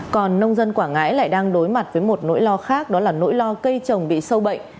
còn nông dân quảng ngãi lại đang đối mặt với một nỗi lo khác đó là nỗi lo cây trồng bị sâu bệnh